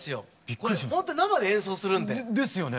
これほんとに生で演奏するんで。ですよね。